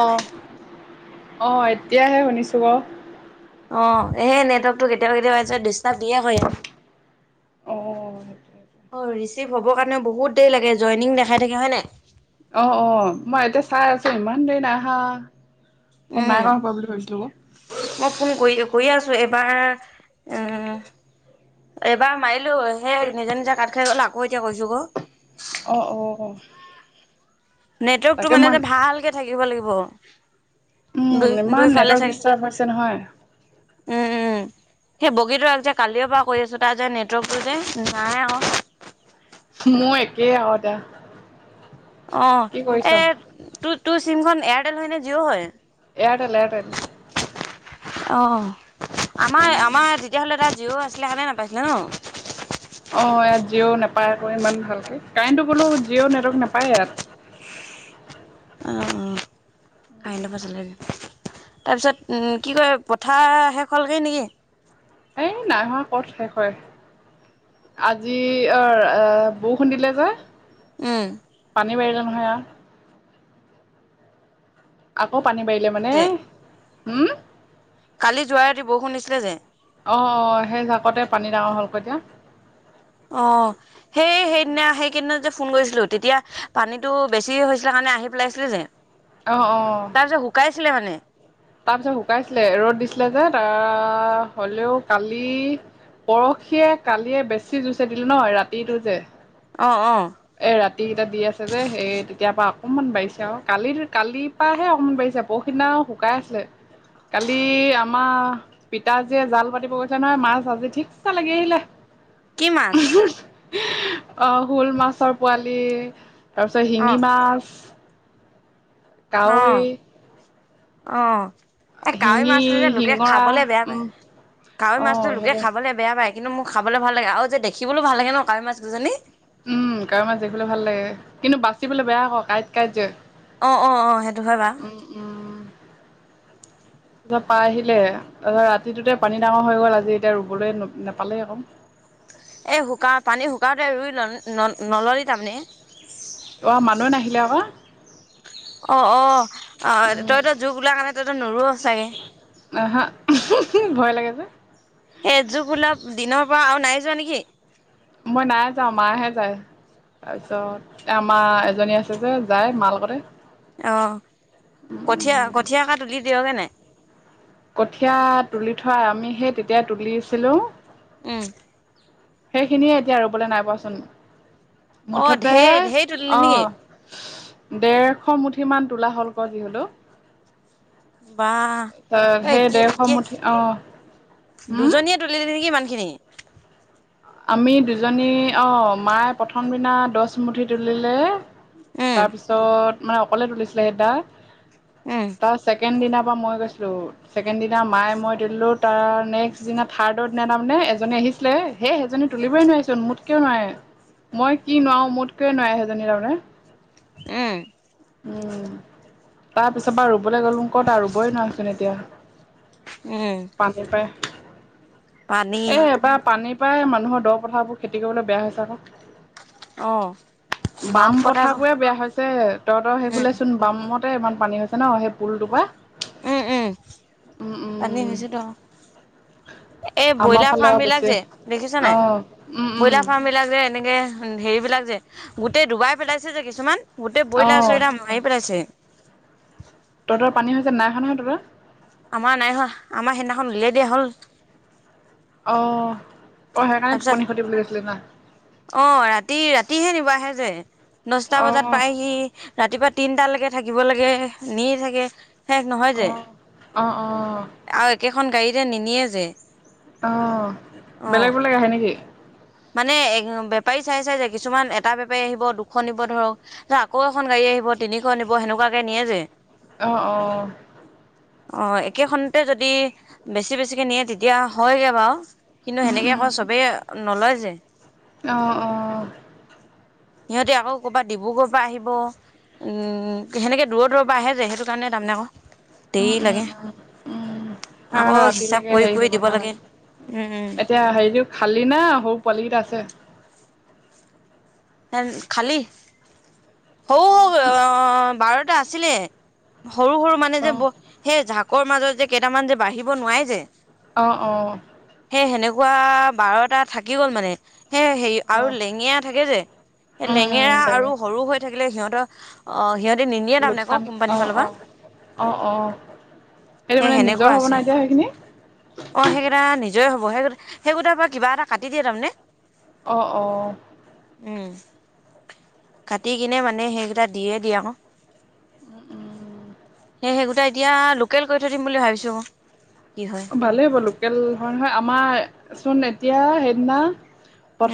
অহ', অহ', এতিয়াহে শুনিছো ক? অ', সেই নেটৱৰ্কটো কেতিয়াবা-কেতিয়াবা ডিষ্টাব দিয়ে আকো ইয়াত। অ', সেইটোৱে। অ', ৰিচিভ হব কাৰণে বহুত দেৰি লাগে জয়নিং দেখাই থাকে হয় নাই? অ অ মই এইটো চাই আছো ইমান দেৰি নাই অহা। উম, মই ফোন কৰি কৰি আছো। এইবাৰ, উম এবাৰ মায় চিলো সেই নিজে নিজে কাট খাই গল, আকৌ এতিয়া কৰিছোঁ ক। অ অ। নেটৱৰ্কটো তাকে মানে মই যে ভালকে থাকিব লাগিব। দুই উম, ইমান দুইফালে নেটৱৰ্ক চাগে ডিষ্টাৰ্ব হৈছে নহয়। উম, উম। সেই বগীতৰাক যে কালিয়ৰ পৰা কৈ আছো তাৰ যে নেটৱৰ্কটো যে নাই অহা। মই একেই অহ দা। অ এ টো তোৰ চিমখন এয়াৰটেল হয় নে জিঅ' হয়? Airtel Airtel. অ, আমাৰ- আমাৰ তেতিয়া হ'লে তাত জিঅ' আছিলে কাৰনে নেপাইছিলে ন? অ ইয়াত জিঅ' নাপায় আকৌ ইমান ভালকে, কাইণ্টো ক'লো জিঅ' নেটৱৰ্ক নাপায় ইয়াত। [unintelligible] আই লবা জলাই দে। তাৰপিছত কি কয় পথাৰ শেষ হ'লগৈ নেকি? এই নাই হোৱা কত শেষ হয়। আজি আ আ বৰষুন দিলে যে। উম, পানী বাঢ়িলে নহয় এয়া। আকৌ পানী বাৰিলে মানে, যে হুম? কালি যোৱা ৰাতি বৰষুণ দিছিলে যে। কতে পানী ডাঙৰ হ'ল ক এতিয়া। অ সেই সেইদিনা সেইকেইদিনত যে ফোন কৰিছিলো তেতিয়া পানীটো বেছি হৈছিলে কাৰ নে আহি পেলাইছিলে যে, অঁ অঁ তাৰপিছত শুকাইছিলে মানে। তাৰপিছত শুকাইছিলে, ৰ'দ দিছিলে যে তাৰ হলেও কালি পৰখিয়ে কালিয়ে বেছি যুঁচে দিলো নহ ৰাতিটো যে। অ অ। এ ৰাতিকেইটা দি আছে যে সে তেতিয়াপৰা অকনমান বাইছে আৰু কালিৰ কালিৰ পৰাহে অকমান বাই ছে পৰখি দিনা শুকাই আছিলে। কালি আমাৰ পিতাজীয়ে জাল পাতিব গৈছে নহয় মাছ আজি ঠিকচা লাগি আহিলে। কি মাছ? অ শল মাছ পোৱালি তাৰপিছত শিঙি অ', মাছ কাৱৈ অ', অ। এই কাৱৈ শিঙি মাছটো যে লোকে শিঙৰা খাবলে বেয়া পায়, উম। কাৱৈ অ মাছটো লোকে সেইবোৰ খাবলে বেয়া পায়। কিন্তু মোক খাবলৈ ভাল লাগে আৰু যে দেখিবলৈও ভাল লাগে ন কাৱৈ মাছ দুজনী। উম কাৱৈ মাছ দেখিবলে ভাল লাগে কিন্তু বাচিবলে বেয়া আকৌ কাঁইট কাঁইট যে। অ অ অ সেইটো হয় বা। উম তাৰপৰা আহিলে, অ ৰাতিটোতে পানী ডাঙৰ হৈ গল আজি এতিয়া ৰুবলৈ নাপালেই আক। [unintelligible] এই শুকা পানী শুকাওঁতে ৰুই ল'ল ন নল'লি তাৰমানে? অ মানুহে নাহিলে আক। অ অ তইত জুক ওলাই কাৰণে তই নোৰুৱ। চাগে আহ হা উমহো হো ভয় লাগে যে। সেই জোক ওলোৱা দিনৰ পৰা আৰু নাই যোৱা নেকি? মই নাই যাওঁ মাহে যায়। তাৰপিছত, আমাৰ এজনী আছে যে যায় মা লগতে। অ, কঠীয়া কঠিয়া কা তুলি দিয়গে নাই? কঠীয়া তুলি থোৱা আমি সেই তেতিয়া তুলিছিলো উম সেইখিনিয়ে এতিয়া ৰুবলৈ নাই পোৱাচোন অ মুঠতে ঢেৰ ঢেৰ তুলিলি নেকি অহ দেৰশ মুঠি মান তোলা হল ক যি হলো বা তই সেই এতিয়া ডেৰশ এতিয়া মুঠি অ হুম? দুজনীয়ে তুলি দিলে নেকি ইমানখিনি আমি দুজনী অ মায়ে প্ৰথম দিনা দছ মুঠি তুলিলে উম তাৰপিছত মানে অকলে তুলিছিলে সেইটা উম তাৰ ছেকেণ্ড দিনা মই গৈছিলোছেকেন দিনা মায়ে মই তিলো তাৰ নেক্স দিনা থাৰ্ডৰ দিনা তাৰমানে এনে আহিছিলে সেই সেইজনী তুলিবই নোৱাৰিচোন মো কিয় নোৱাৰে মই কি নোৱাৰো মোত কৈ নোৱাৰে সেইজনী তাৰমানে এ [unintelligible] তাৰপিছত বা ৰুবলৈ গ'লো মোক ক'ত ৰুবই নোৱাৰচোন এতিয়া উম পানী পাই পানী এ এবাৰ পানী প্ৰায় মানুহৰ দ পথাৰ বোৰ খেতি কৰিবলৈ বেয়া হৈছে আকৌ অ বাম পথাৰ বোৰে বেয়া হৈছে তহতৰ সেই উম ফালে চোন বামত ইমান পানী হৈছে ন সেই পুলটোৰ পৰা উম উম উম পানী উম হৈছেতো এই আমাৰ ব্ৰইলাৰ ফালে আৰু ফাৰ্ম বিলাক বেছি যে দেখিছ অ নাই উম উম ব্ৰইলাৰ ফাৰ্ম বিলাক যে এনেকে হেৰি বিলাক যে গোটেই ডুবাই পেলাইছে যে কিছুমান গোটেই অ ব্ৰইলাৰ চইলাৰ মাৰি পেলাইছে ত'হতৰ পানী হৈছে নাই নাই হোৱা নহয় তহঁত আমাৰ নাই হোৱা আমাৰ সেইদিনাখন উলিয়াই দিয়া হ'ল অঁ তাৰপিছত অ ৰাতি ৰাতিহে নিব আহে দচটা অ বজাত পাইহি ৰাতিপুৱা তিনটা লৈকে থাকিব লাগে এনেই থাকে। শেষ নহয় অ যে অ অ আৰু একেখন গাড়ীতে নিনিয়ে যে। অ অ বেলেগ বেলেগ আহে নেকি। মানে এ বেপাৰী চাই চাই যে কিছুমান এটা বেপাৰী আহিব দুখন নিব ধৰক আকৌ এখন গাড়ী আহিব। নিব তিনিশ নিব সেনেকুৱাকে নিয়ে যে। অহ অহ। অ', একেখনতে যদি বেছি-বেছিকে নিয়ে তেতিয়া হয়গে বাৰু। কিন্তু উম সেনেকে ক চবেই নলয় যে। অঁ অঁ। সিহঁতে আকৌ কৰ'ৰবাত ডিব্ৰুগড়ৰ পৰা আহিব। উম সেনেকে দূৰৰ দূৰৰ পৰা আহে যোয় সেইটো কাৰণে তাৰমানে আকৌ। উম দেৰি উম লাগে উম উম আকৌ সেইকাৰণে হিচাপ ৰাতিলৈকে কৰি হেৰি কৰি হ'ব দিব লাগে। এতিয়া হেৰিটো খালি না সৰু পোৱালি কেইটা আছে। খালি অ', সৰু। সৰু বাৰটা আছিলে সৰু সৰু মানে যে অ', ব সেই ঝা। [unintelligible] কৰ মাজত যে কেইটামান যে বাঢ়িব নোৱাৰে যে। অ অ। পুৱা বাৰটা থাকি গ'ল মানে সেই হেৰি আৰু উম, লেঙীয়া থাকে যে। সেই উম, লেঙেৰা তাকে আৰু সৰু হৈ থাকিলে সিহঁতৰ অ সিহঁত। নিদিয়ে তাৰমানে ক লোকচান কোম্পানীৰ অ', ফালৰ পৰা। অ', অ', অ', সেইটো সেই মানে নিজৰ সেনেকুৱা হ'ব আছে নাই এতিয়া সেইখিনি অ সেইকেইটা নিজ। জয় হ'ব সেই সেই গিটাৰ পৰা কিবা এটা কাটি দিয়ে তাৰ মানে। অ অ। কাটি কিনে মানে সেইকেইটা দি য়ে দিয়ে আকৌ। উম, উম, সেই গিটা এতিয়া লোকেল কৰি থৈ দিম বুলি ভাবিছোঁ। ভালেই হ'ব লোকেল হয় নহয়, আমাৰ চোন এতিয়া সেইদিনা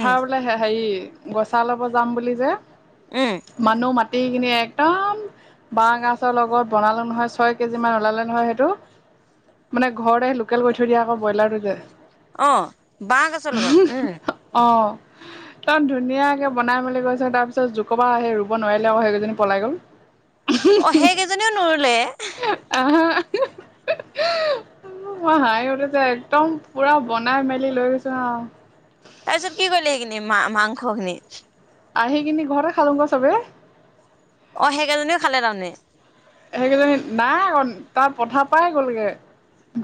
উম বোলে হেৰি গছা লব যাম বুলি যে, উম মানুহ মাতি এইখিনি একদম বাঁহ গছৰ লগত বনালো নহয় ছয় কেজি মান ওলালে নহয় সেইটো। মানে ঘৰতে লোকেল কৰি থৈ দিয়া আকৌ বইলাৰটো যে। অ', বাঁহ গছৰ লগত? উম'। [unintelligible] একদম ধুনীয়াকে বনাই মেলি গৈছে তাৰপিছত জু কবা আহি ৰুব নোৱাৰিলে আৰু সেইকেইজনী পলাই গ'ল। অ', সেইকেইজনীও নৰুলে? উম', মই হাঁহি উঠিছে যে একদম পুৰা বনাই মেলি লৈ গৈছোঁ অহ তাৰপিছত কি কৰিলি এইখিনি মাংসখিনি? আৰু এইখিনি ঘৰতে খালোঁ আকৌ চবে। অ'। সেইকেইজনীও খালে তাৰমানে? সেইকেইজনী নাই অকল তাৰ পথাৰ পাই গ'লগে।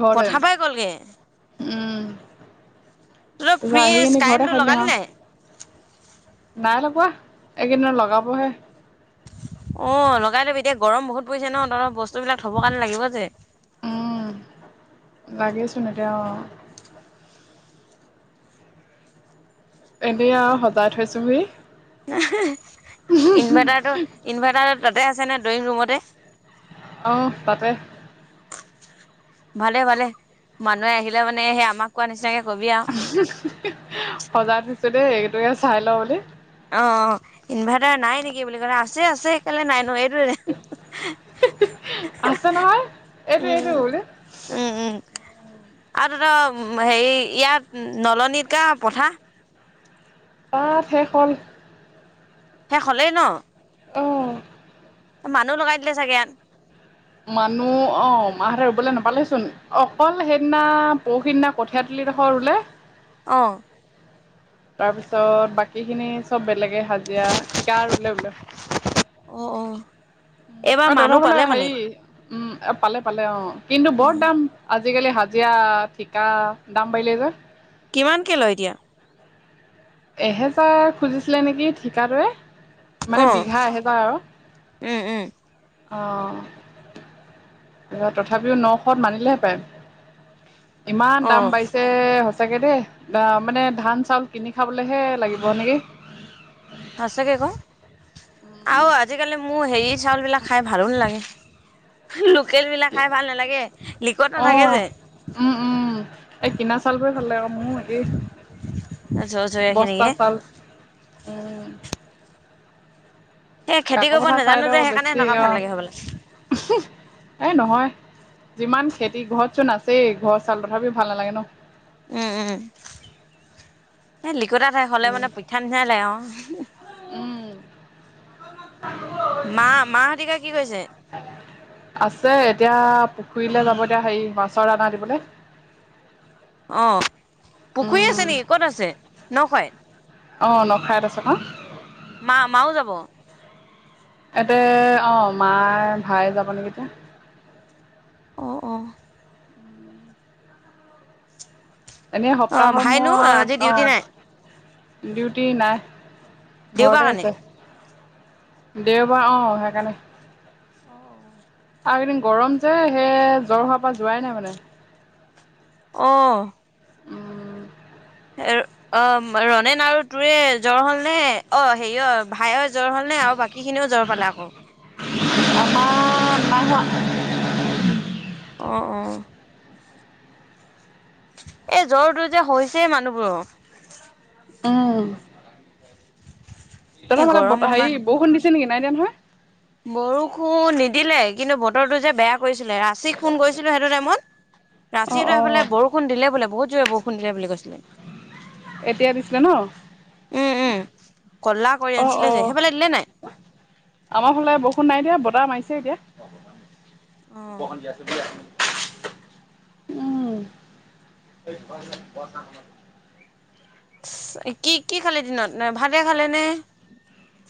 ঘৰলে, পথাৰ পৰাই গ'লগে উম'। তহঁতৰ তা আহি ফ্ৰিজ কিনে ঘৰতে কাৰেণ্টটো খাই দিলে লগালি আৰু, নাই নাই লগোৱা। এইকেইদিন লগাবহে। অ', লগাই লবি এতিয়া গৰম বহুত পৰিছে ন? তহঁতৰ বস্তু বিলাক থব কাৰণে লাগিব যে। লাগেচোন এতিয়া অ'। এতিয়া সজাই থৈছোহি। ইনভাৰ্টাৰটো-ইনভাৰ্টাৰ তাতে আছে ন ড্ৰয়িং ৰুমতে? অ', তাতে। ভালে-ভালে মানুহে আহিলে মানে সেই আমাক কোৱা নিচিনাকে কবি আৰু। সজাই দিছোঁ দেই এইটোকে চাই ল বুলি। কাৰণে আছে-আছে কেলে নাই ন, এইটোৱেই আছে নহয়? এইটো-এইটো উম [unintelligible] উম উম আৰু তহঁতৰ হেৰি ইয়াত নলনিত কা পথাৰ? তাত শেষ হল। শেষ হলেই ন? অ'। মানুহ লগাই দিলে চাগে মানুহ অ মাহঁতে ৰুবলৈ নাপালেচোন অকল সেইদিনা পৰহিদিনা কঠিয়া তুলি [unintelligible] ৰুলে অ'। তাৰপিছত বাকী খিনি চব বেলেগ হাজিৰা ঠিকা ৰুলে বোলে। অ', অ'। এইবাৰ অ, তহঁত মানুহ ঘৰলে পালে মানে হেৰি উম পালে-পালে অ'। কিন্তু বৰ দাম আজি আজিকালি হাজিৰা ঠিকা দাম বাঢ়িলেই যে। কিমানকে লয় এতিয়া? এহেজাৰ খুজিছিলে নেকি ঠিকা টোৱে। মানে অ'। বিঘা এহেজাৰ আৰু। উম, উম। অ', ত-তথাপিও নশত মানিলে হেঁতেন। ইমান দাম অ', বাঢ়িছে সচাকে দেই। মানে ধান চাউল কিনি খাবলৈহে লাগিব নেকি? সঁচাকে ক? আৰু আজিকালি মোৰ হেৰি চাউল বিলাক খাই ভালো নালাগে। লোকেলবিলাক খাই ভাল নালাগে লিকত নাথাকে অ', যে উম'-উম', এই কিনা চাউল বোৰ লগে অ মোৰো একেই। জহৰ জৰীয়া খিনিকে। অ'। সেই খেতি কাক কৰিব পথাৰ নাজানো যে চাইডত সেইকাৰণে বেছি এনেকুৱা ভাল লাগে হ'বলা। অ। এ নহয় যিমান খেতি ঘৰত চোন নাছিল। এই ঘৰ চউল তথাপি ভাল নালাগে ন। উম উম খুঁঅটা ঠাই হলে উম মানে পিঠা নিচিনাই লাগে ক উম [unintelligible] [inaudible] মা মা হঁতিকা কি কৰিছে? আছে এতিয়া পুখুৰীলৈ যাব এতিয়া হেৰি মাছৰ দানা দিবলে অ পুখুৰী আছে নেকি কত আছে নৰখাই আহ নখাইত আছে অ। মা মাও যাব। এতে অ মায় ভাই যাব নেকি এতিয়া। অঁ অঁ এনে অ', সপ্তাহ ভাইনো আজি মূৰত ডিউটি নাই অ ডিউটি নাই দেওবাৰ ঘৰতে কাৰণে। আছে। দেওবাৰ আহ সেইকাৰণে অ অ আৰু একেইদিন গৰম যে সেই জ্বৰ হোৱাৰ পৰা যোৱাই নাই মানে। আহ উম অ ৰনেন আৰু তোৰে জ্বৰ হল নে অ হেৰি অ ভাই [unintelligible] জ্বৰ হল নে আৰু বাকী খিনিও জ্বৰ পালে আকৌ [unintelligible] আমাৰ নাই কোৱা অঁ অঁ এ জ্বৰ টো যে হৈছেই মানুহবোৰৰ। উম এই তহতফালে গৰমৰ হেৰি কাৰণে। বৰষুণ দিছে নেকি নাই দিয়া নহয়। বৰষুণ নিদিলে কিন্তু বতৰটো যে বেয়া। কৰিছিলে ৰাচিক ফুণ কৰিছিলো সেইটো টাইমত অঁ ৰাচিসেত অঁ সেইফালে বৰষুণ দিলে বোলে বহুত জোৰে বৰষুণ। [unintelligible] শুন্দিলে বুলি কৈছিলে? [unintelligible] এতিয়া দিছিলে ন। উম, উম, ক'লা কৰি অ আনিছিলে অ যে সেইফালে দিলে নাই? আমাৰ ফালে বৰষুন নাই দিয়া। বতাহ মাৰিছে এতিয়া। উম। কি কি খালে দিনত ভালে খালে নে?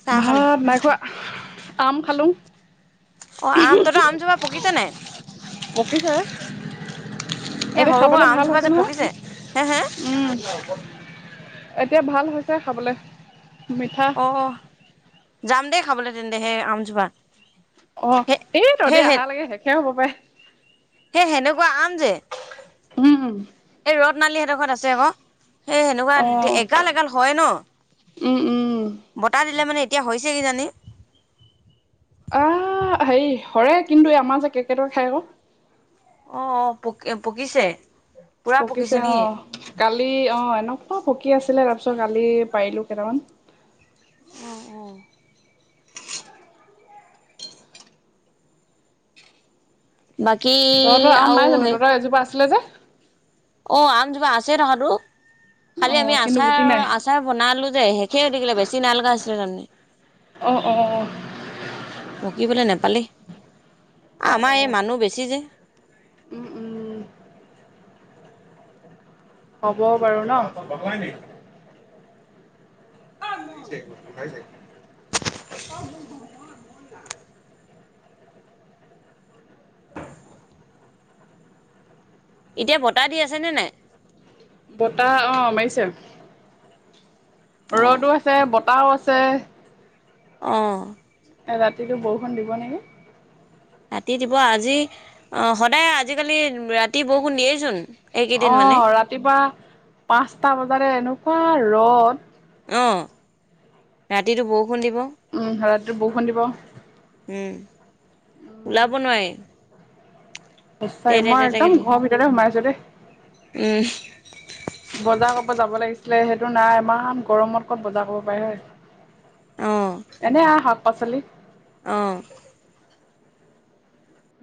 চাহ খালি? ভাত মাইখোৱা আম খালোঁ। অ আম তত আম জোপা পকীছে নাই পকিছে সেই এতিয়া সৰু সৰু খাবলৈ ভাল আমজোপা হৈছে যে নয়। পকিছে হে হে এতিয়া ভাল হৈছে খাবলৈ মিঠা। অ যাম দেই খাবলৈ তেন্তে সেই আমজোপা। অ সেই এই তহঁতি সেই সেই অহা লেকে শেষে হ'ব পাৰে। সেই সেনেকুৱা আম যে উম এই ৰদনালী হেতৰঘৰত আছে ক। [unintelligible] সেই অ সেনেকুৱা এগাল এগাল হয় উম উম ন বতাহ দিলে মানে। এতিয়া হৈছে কিজানি। আহ হেৰি হৰে কিন্তু আমাৰ যে কে কেটৰে খাই আকৌ। [unintelligible] অ অ পকি পকিছে। পুৰা পকিছে অ নেকি কালি অ এনেকুৱা পকি। কি আছিলে তাৰপিছত কালি পাৰিলো কেইটামান? অঁ বাকী তহঁতৰ আম আৰু নাই জানো সেই তহঁতৰ এজোপা আছিলে যে। [unintelligible] অ আমজোপা আছে থকাতো। অ খালি আমি কিন্তু গুটি নাই আচাৰ- আচাৰ বনালো যে শেষে হৈ থকিলে বেছি নালগা হৈছিলে তাৰমানে। অ অ। অ পকিবলে নেপালি। অ অ আমাৰ এই মানুহ বেছি যে। উম উম হ'ব বাৰু ন হয় নেকি। আহিছে এক বস্তু খাইছে। [inaudible] অ ন [inaudible] এতিয়া বতাহ দি আছেনে নাই? বতাহ অ মাৰিছে, অ', ৰদো আছে বত তাও আছে। অ। ৰাতিটো বৰষুণ দিব নেকি? ৰাতি দিব আজি, অ সদায় আজিকালি ৰাতি বৰষুণ দিয়েইচোন। অ এইকেইদিন মানে ৰাতিপুৱা পাঁচটা বজাতে এনেকুৱা ৰদ অ, ৰাতিটো বহু বৰযুণ দিব উম ৰাতি বৰষুণ দিব। উম। ওলাব নোৱাৰি। তে সচাকে তে মই তে একদম তেকে ঘৰৰ ভিতৰতে সোমাইছো দেই। উম, বজাৰ কৰব যাব লাগিছিল? আছিল সেইটো নাই ইমান গৰমত ক'ত বজাৰ কৰিব পাৰে হয় নাই? এনে শাক পাচলি। আহ।